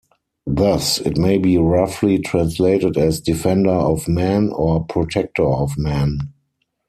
Thus it may be roughly translated as "defender of man" or "protector of man".